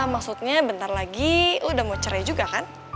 maksudnya bentar lagi udah mau cerai juga kan